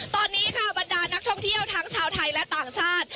ตอนนี้ค่ะบรรดานักท่องเที่ยวทั้งชาวไทยและต่างชาติ